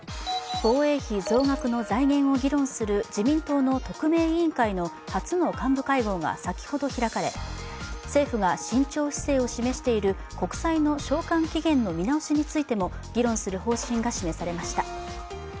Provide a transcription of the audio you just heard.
防衛費増額の財源を議論する自民党の特命委員会の初の幹部会合が先ほど開かれ、政府が慎重姿勢を示している国債の償還期限の見直しについても議論する方針が示されました。